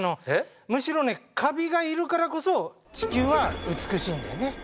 むしろねカビがいるからこそ地球は美しいんだよね。